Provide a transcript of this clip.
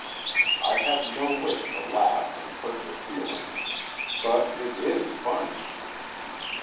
I have no wish to laugh and hurt your feelings, but it IS funny.